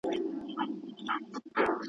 هرڅه بدل دي، د زمان رنګونه واوښتله.